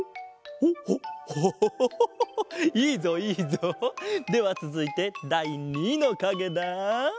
ほうほうオホホホホいいぞいいぞ！ではつづいてだい２のかげだ。